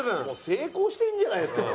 成功してるじゃないですか。